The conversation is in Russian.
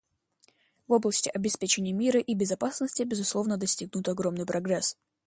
В области обеспечения мира и безопасности, безусловно, достигнут огромный прогресс.